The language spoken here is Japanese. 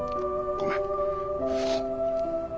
ごめん。